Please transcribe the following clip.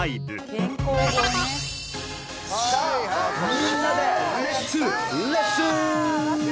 みんなでレッツレッスン！